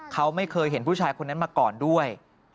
เขาไม่เคยเห็นผู้ชายคนนั้นมาก่อนด้วย